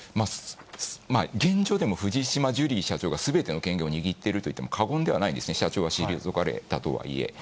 現状でも藤島ジュリー社長がすべての権限を握っていると言っても過言ではないんですね、社長を退かれたとはいえ。